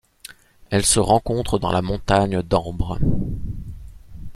Elle se rencontre dans la montagne d'Ambre.